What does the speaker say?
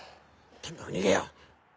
とにかく逃げよう。